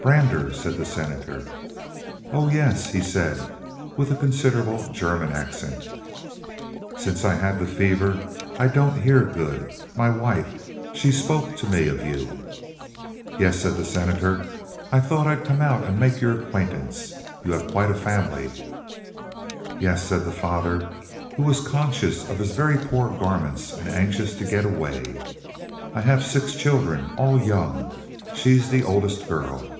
"Brander," said the Senator. "Oh yes," he said, with a considerable German accent. "Since I had the fever I don't hear good. My wife, she spoke to me of you." "Yes," said the Senator, "I thought I'd come out and make your acquaintance. You have quite a family." "Yes," said the father, who was conscious of his very poor garments and anxious to get away. "I have six children—all young. She's the oldest girl."